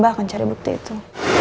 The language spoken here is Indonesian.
mbak bisa mencari bukti itu